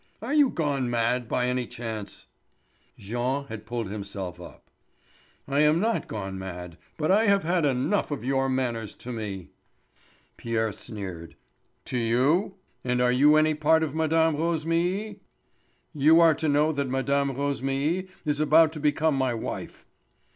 Are you gone mad by any chance?" Jean had pulled himself up. "I am not gone mad, but I have had enough of your manners to me." Pierre sneered: "To you? And are you any part of Mme. Rosémilly?" "You are to know that Mme. Rosémilly is about to become my wife."